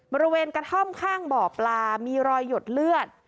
บริเวณกระท่อมข้างบ่อปลามีรอยหยดเลือด